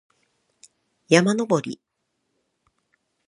山登り